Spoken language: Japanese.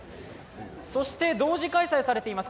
そして、同時開催されています